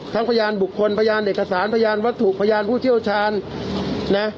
พยานบุคคลพยานเอกสารพยานวัตถุพยานผู้เชี่ยวชาญนะ